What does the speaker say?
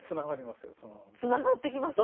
つながってきますね。